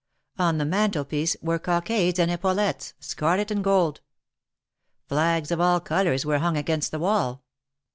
On the mantelpiece were cockades and epaulettes — scarlet and gold. Flags of all colors were hung against the wall.